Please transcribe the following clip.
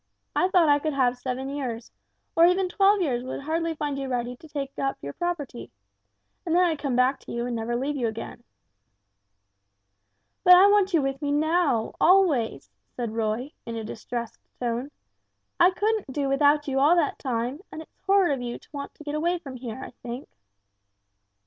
"I thought I could have seven years or even twelve years would hardly find you ready to take up your property. And then I'd come back to you and never leave you again!" "But I want you with me now always" said Roy, in a distressed tone; "I couldn't do without you all that time, and it's horrid of you to want to get away from here, I think."